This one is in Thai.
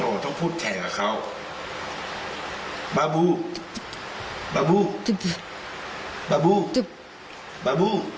โอ้เธอพูดแทนกับเขาบะบู้บะบู้บะบู้